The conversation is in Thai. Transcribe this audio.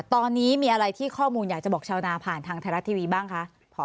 ตอนนี้มีอะไรที่ข้อมูลอยากจะบอกชาวนาผ่านทางไทยรัฐทีวีบ้างคะ